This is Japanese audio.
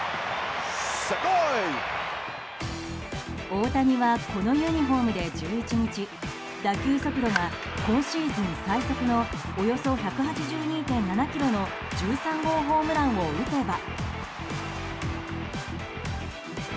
大谷はこのユニホームで１１日打球速度が今シーズン最速のおよそ１８２．７キロの１３号ホームランを打てば。